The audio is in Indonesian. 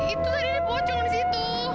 itu tadi ada bocong di situ